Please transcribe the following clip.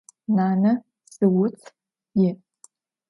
Nane zı vut yi'.